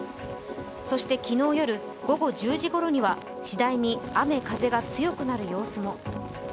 そして昨日夜、午後１０時ごろには次第に雨・風が強くなる様子も。